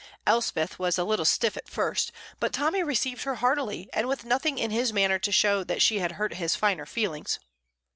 Elspeth was a little stiff at first, but Tommy received her heartily and with nothing in his manner to show that she had hurt his finer feelings.